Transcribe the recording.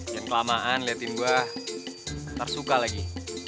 dan kelamaan liatin gua ntar suka lagi